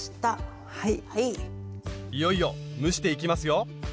いよいよ蒸していきますよ。